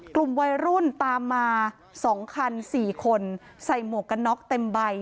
กลุ่มวัยรุ่นตามมา๒คัน๔คนใส่หมวกกันน็อกเต็มใบ